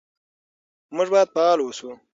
موږ باید فعال اوسو.